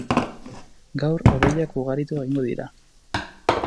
Gaur hodeiak ugaritu egingo dira.